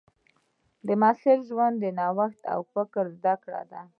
د محصل ژوند د نوښت او فکر زده کړه ده.